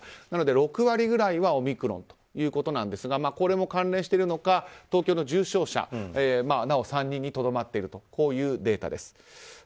なので６割くらいはオミクロンということなんですがこれも関連しているのか東京の重症者、なお３人にとどまっているというデータです。